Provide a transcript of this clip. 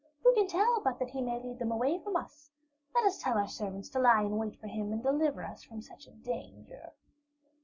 Who can tell but that he may lead them away from us? Let us tell our servants to lie in wait for him and deliver us from such a danger."